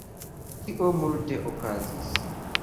Tio multe okazis